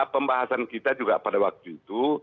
pembahasan kita juga pada waktu itu